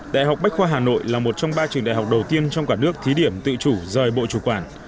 đại học bách khoa hà nội là một trong ba trường đại học đầu tiên trong cả nước thí điểm tự chủ rời bộ chủ quản